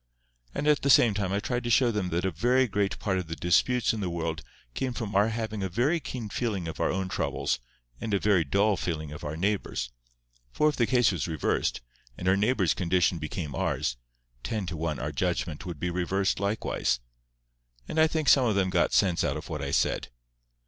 And at the same time I tried to show them that a very great part of the disputes in the world came from our having a very keen feeling of our own troubles, and a very dull feeling of our neighbour's; for if the case was reversed, and our neighbour's condition became ours, ten to one our judgment would be reversed likewise. And I think some of them got some sense out of what I said.